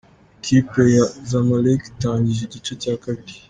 ':Ikipe ya Zamalek itangije igice cya kabiri.